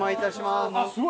すごい！